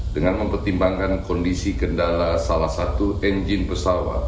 dengan mempertimbangkan kondisi kendala salah satu engine pesawat